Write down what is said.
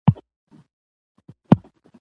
ښوونه د ټولنې د سمون وسیله ده